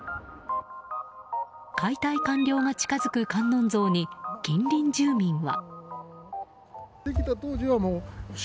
解体完了が近づく観音像に近隣住民は。